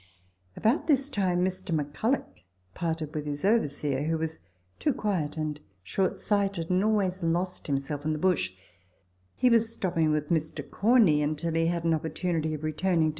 About this time Mr. McCulloch parted with his overseer, who was too quiet and short sighted, and always lost himself in the bush ; he was stopping with Mr. Coruey until he had an opportunity of returning to V.